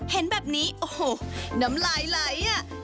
เห็นแบบนี้โอ้โหน้ำลายไหลอ่ะ